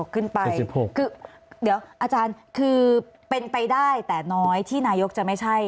ขึ้นไป๑๖คือเดี๋ยวอาจารย์คือเป็นไปได้แต่น้อยที่นายกจะไม่ใช่